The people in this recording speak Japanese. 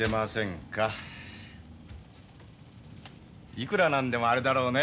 いくら何でもあれだろうね